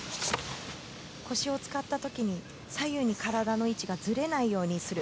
腰を使った時に左右に体の位置がずれないようにする。